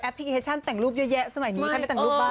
พลิเคชันแต่งรูปเยอะแยะสมัยนี้ใครไม่แต่งรูปบ้าง